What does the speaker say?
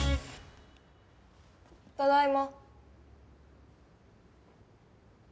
ただいま。